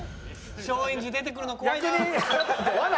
松陰寺出てくるの怖いな。